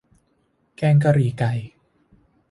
แกงกะหรี่ไก่